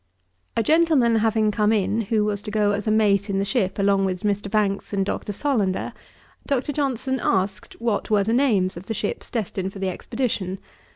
A gentleman having come in who was to go as a mate in the ship along with Mr. Banks and Dr. Solander, Dr. Johnson asked what were the names of the ships destined for the expedition.